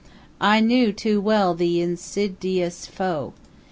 I knew too well the in sid ious foe.